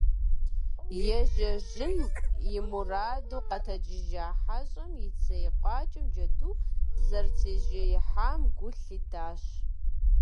Ежьэжын и мураду къэтэджыжа хьэщӏэм и цей къуакӀэм джэду зэрытежеихьам гу лъитащ.